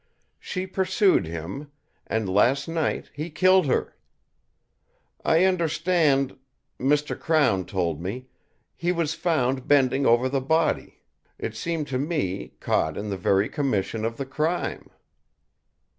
She pursued him; and last night he killed her. I understand Mr. Crown told me he was found bending over the body it seemed to me, caught in the very commission of the crime."